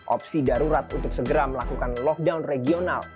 opsi darurat untuk segera melakukan lockdown regional